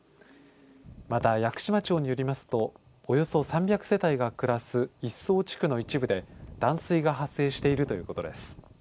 また屋久島町によりますとおよそ３００世帯が暮らす一湊地区の一部で断水が発生しているということです。